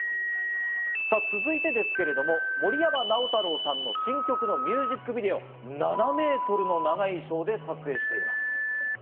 さぁ続いてですけれども、森山直太朗さんの新曲ミュージックビデオ、７メートルの長い衣装で撮影しています。